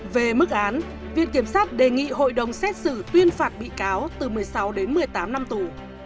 về mức án viện kiểm sát đề nghị hội đồng xét xử tuyên phạt bị cáo từ một mươi sáu đến một mươi tám năm tù